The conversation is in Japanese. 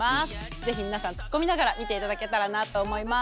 是非皆さんツッコミながら見て頂けたらなと思います。